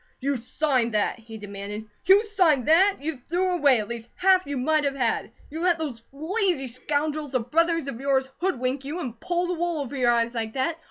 "You signed that?" he demanded. "You signed that! YOU THREW AWAY AT LEAST HALF YOU MIGHT HAVE HAD! You let those lazy scoundrels of brothers of yours hoodwink you, and pull the wool over your eyes like that?